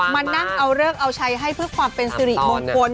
มานั่งเอาเลิกเอาชัยให้เพื่อความเป็นสิริมงคล